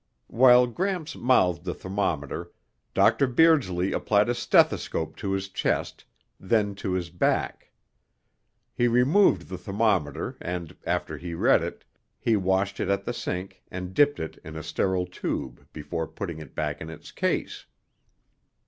While Gramps mouthed the thermometer, Dr. Beardsley applied a stethoscope to his chest, then to his back. He removed the thermometer and, after he read it, he washed it at the sink and dipped it in a sterile tube before putting it back in its case.